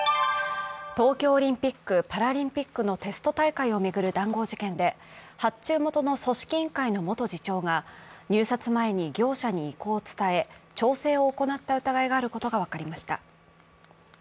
東京オリンピック・パラリンピックのテスト大会を巡る談合事件で発注元の組織委員会の元次長が、入札前に業者に意向を伝え、調整を行った疑いがあることが分かりました。